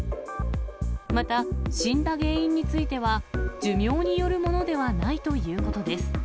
また、死んだ原因については、寿命によるものではないということです。